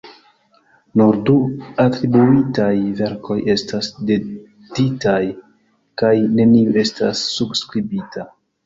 Nur du atribuitaj verkoj estas datitaj, kaj neniu estas subskribita.